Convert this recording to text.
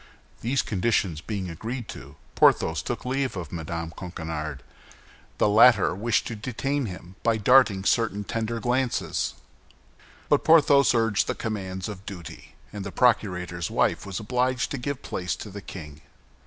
These conditions being agreed to, Porthos took leave of Mme. Coquenard. The latter wished to detain him by darting certain tender glances; but Porthos urged the commands of duty, and the procurator's wife was obliged to give place to the king.